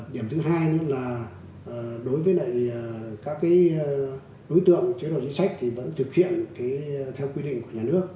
điểm thứ hai nữa là đối với các đối tượng chế độ chính sách thì vẫn thực hiện theo quy định của nhà nước